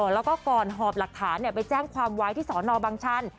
แล้วก็ก่อนหอบหลักฐานไปแจ้งความไว้ที่สอนอบังชัน